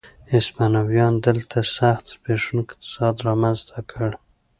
هسپانویانو دلته سخت زبېښونکی اقتصاد رامنځته کړ.